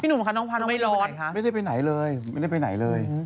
หนุ่มค่ะน้องพาน้องไม่ร้อนไม่ได้ไปไหนเลยไม่ได้ไปไหนเลย